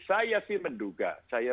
saya sih menduga